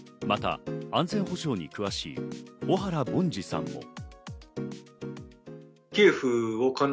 また安全保障に詳しい小原凡司さんも。